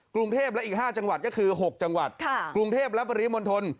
กรุงเทพและอีก๕จังหวัดก็คือ๖จังหวัดกรุงเทพและปริมณฑล